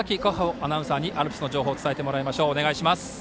アナウンサーにアルプスの情報を伝えてもらいます。